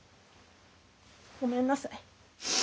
ごめんなさい。